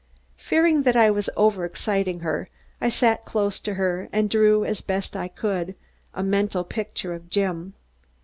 Fearing that I was over exciting her, I sat close to her and drew as best I could a mental picture of Jim.